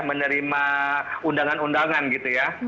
menerima undangan undangan gitu ya